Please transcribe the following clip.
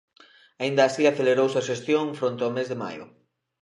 Aínda así acelerouse a xestión fronte ao mes de maio.